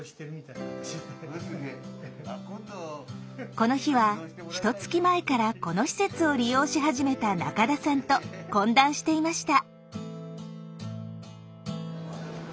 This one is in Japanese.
この日はひとつき前からこの施設を利用し始めた中田さんと懇談していました。